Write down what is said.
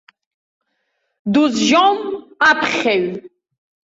Дузжьом аԥхьаҩ!